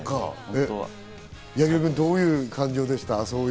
柳楽君、どういう感情でした？